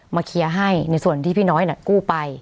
เคลียร์ให้ในส่วนที่พี่น้อยกู้ไป